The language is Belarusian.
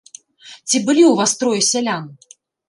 Ці былі ў вас трое сялян?